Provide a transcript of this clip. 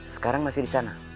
sekarang masih disana